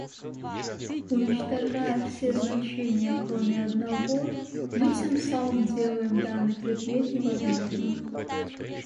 Уничтожая все значения, кроме одного, мы тем самым делаем данный предмет невозможным.